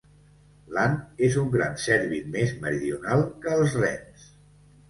L'ant és un gran cèrvid més meridional que els rens.